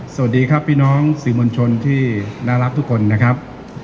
สวัสดีครับพี่น้องสื่อมวลชนที่น่ารักทุกคนนะครับ